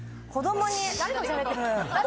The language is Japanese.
誰としゃべってる？